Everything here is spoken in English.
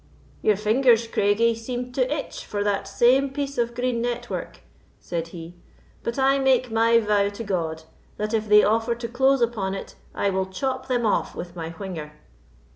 "Your fingers, Craigie, seem to itch for that same piece of green network," said he; "but I make my vow to God, that if they offer to close upon it, I will chop them off with my whinger.